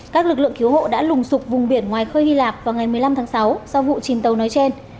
các lực lượng cứu hộ đã lùng sụp vùng biển ngoài khơi hy lạp vào ngày một mươi năm tháng sáu sau vụ chìm tàu nói trên